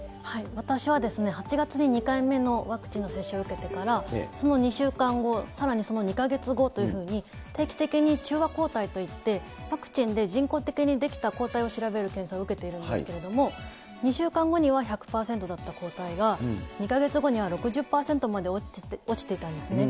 私は８月に２回目のワクチンの接種を受けてから、その２週間後、さらにその２か月後というふうに、定期的に中和抗体といって、ワクチンで人工的に出来た抗体を調べる検査を受けているんですけれども、２週間後には１００％だった抗体が、２か月後には６０％にまで落ちていたんですね。